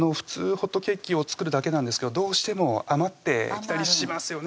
ホットケーキを作るだけなんですけどどうしても余ってきたりしますよね